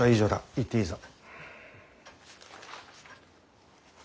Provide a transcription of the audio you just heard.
行っていいぞ。